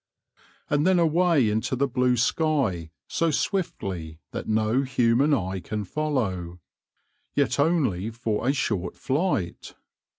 And then away into the blue sky so swiftly that no human eye can follow ; yet only for a short flight.